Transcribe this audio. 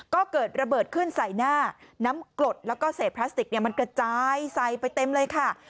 ก็เกิดระเบิดขึ้นใส่หน้าน้ำกรดแล้วก็เศษพลาสติกมันกระจายใส่ไปเต็มเลยค่ะ